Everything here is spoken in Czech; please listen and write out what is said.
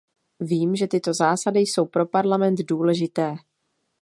Vím, že tyto zásady jsou pro Parlament důležité.